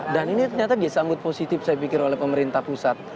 tapi ternyata dia sangat positif saya pikir oleh pemerintah pusat